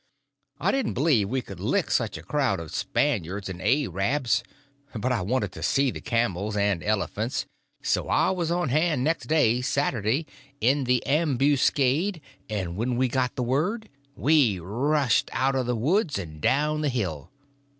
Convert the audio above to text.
I didn't believe we could lick such a crowd of Spaniards and A rabs, but I wanted to see the camels and elephants, so I was on hand next day, Saturday, in the ambuscade; and when we got the word we rushed out of the woods and down the hill.